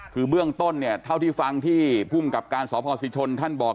คือเบื้องต้นเนี่ยเท่าที่ฟังที่ภูมิกับการสพศิชนท่านบอก